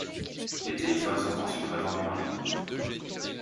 Les téléphones sont ensuite revendus en ligne.